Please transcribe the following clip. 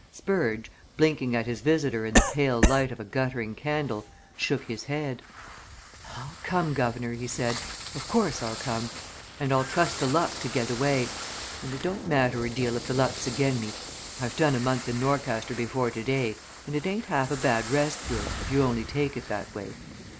Spurge, blinking at his visitor in the pale light of a guttering candle, shook his head. "I'll come, guv'nor," he said. "Of course. I'll come and I'll trust to luck to get away, and it don't matter a deal if the luck's agen me I've done a month in Norcaster before today, and it ain't half a bad rest cure, if you only take it that way.